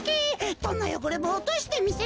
どんなよごれもおとしてみせます。